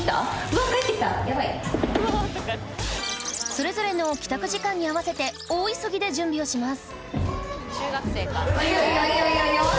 それぞれの帰宅時間に合わせて大急ぎで準備をします